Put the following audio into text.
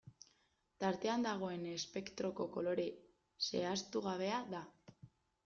Tartean dagoen espektroko kolore zehaztu gabea da.